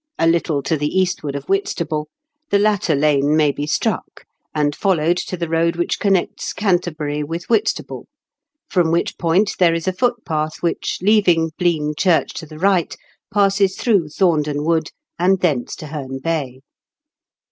a little to the eastward of Whitstable^ the latter lane may be strack^ and followed to the road which connects Canterbniy with Whit stable, from which point there is a foot path which, leaving Blean Church to the right, passes through Thomden Wood, and thence to Heme Bay.